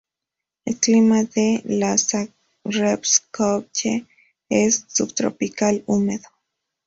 El clima de Lázarevskoye es subtropical húmedo.